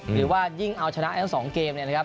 หรือว่ายิ่งเอาชนะแรกทั้ง๒เกม